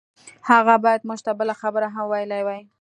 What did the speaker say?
هغه بايد موږ ته بله خبره هم ويلي وای.